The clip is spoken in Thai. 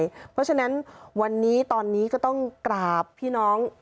เพราะฉะนั้นวันนี้ตอนนี้ก็ต้องกราบพี่น้อง